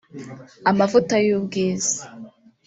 amavuta y’ ubwiza